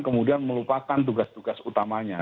kemudian melupakan tugas tugas utamanya